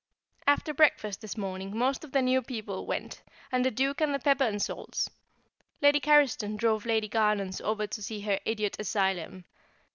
After breakfast this morning most of the new people went, and the Duke and the pepper and salts; Lady Carriston drove Lady Garnons over to see her Idiot Asylum.